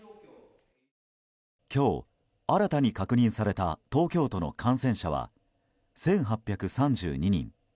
今日新たに確認された東京都の感染者は１８３２人。